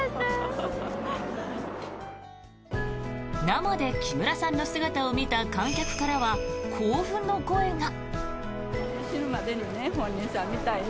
生で木村さんの姿を見た観客からは興奮の声が。